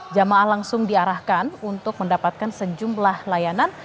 jamaah langsung diarahkan untuk mendapatkan sejumlah layanan